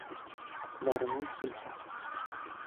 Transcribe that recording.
Ҡулдарынан килһә...